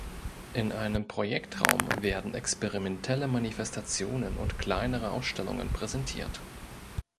In einem Projektraum werden experimentelle Manifestationen und kleinere Ausstellungen präsentiert.